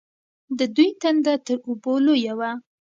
د دوی تنده تر اوبو لویه وه.